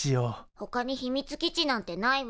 ほかに秘密基地なんてないわ。